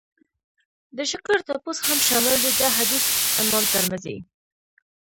د شکر تپوس هم شامل دی. دا حديث امام ترمذي